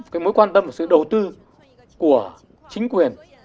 cái mối quan tâm và sự đầu tư của chính quyền